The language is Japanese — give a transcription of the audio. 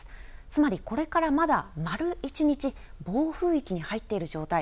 つまり、これからまだ丸１日、暴風域に入っている状態。